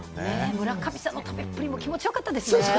村上さんの食べっぷりも気持ちよかったですね。